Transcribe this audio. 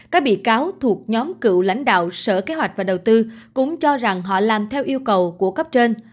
các bị cáo thuộc nhóm cựu lãnh đạo sở kế hoạch và đầu tư cũng cho rằng họ làm theo yêu cầu của cấp trên